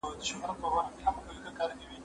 زه به د کتابتون د کار مرسته کړې وي!